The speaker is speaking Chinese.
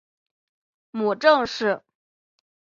母郑氏。